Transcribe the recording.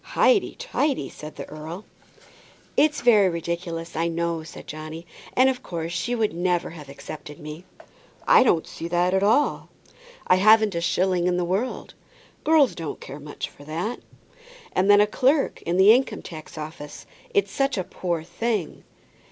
"Highty tighty," said the earl. "It's very ridiculous, I know," said Johnny, "and of course she would never have accepted me." "I don't see that at all." "I haven't a shilling in the world." "Girls don't care much for that." "And then a clerk in the Income tax Office! It's such a poor thing."